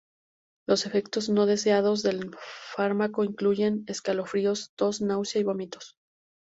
Los efectos no deseados del fármaco incluyen escalofríos, tos, náuseas y vómitos.